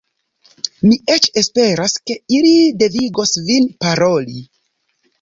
Mi eĉ esperas, ke ili devigos vin paroli.